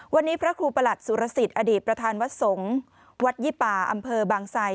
วันนี้พระครูประหลัดสุรสิทธิ์อดีตประธานวัดสงฆ์วัดยี่ป่าอำเภอบางไซ